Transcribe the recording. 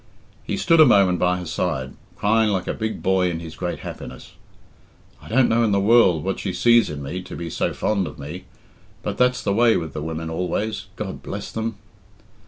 He stood a moment by her side, crying like a big boy in his great happiness. "I don't know in the world what she sees in me to be so fond of me, but that's the way with the women always, God bless them!"